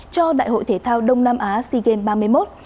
cho đại hội thể thao đông nam á sea games ba mươi một